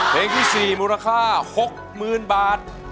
เพลงที่๔มูลค่า๖๐๐๐๐บาท